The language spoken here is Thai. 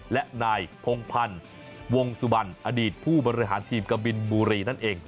และนายพงพันธ์วงสุบันอดีตผู้บริหารทีมกะบินบุรีนั่นเอง